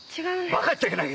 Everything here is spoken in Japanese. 馬鹿言っちゃいけない！